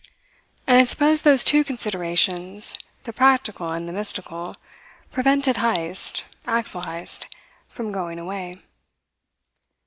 And I suppose those two considerations, the practical and the mystical, prevented Heyst Axel Heyst from going away.